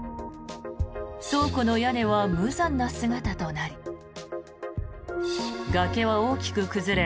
倉庫の屋根は無残な姿となり崖は大きく崩れ